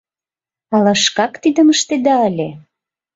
Ала шкак тидым ыштеда ыле?